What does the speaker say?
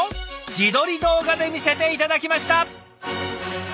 自撮り動画で見せて頂きました。